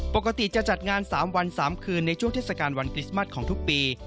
ปกติจะจัดงาน๓วัน๓คืนในช่วงเทศกาลวันคริสต์มัสของทุกปี